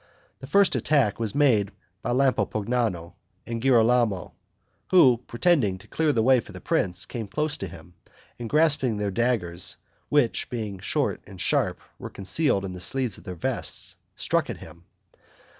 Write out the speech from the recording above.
The first attack was made by Lampognano and Girolamo, who, pretending to clear the way for the prince, came close to him, and grasping their daggers, which, being short and sharp, were concealed in the sleeves of their vests, struck at him.